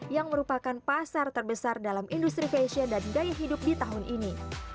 yang merupakan pasar terbesar dalam industri fashion dan gaya hidup di tahun ini